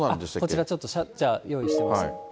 こちらちょっとサッチャー用意してます。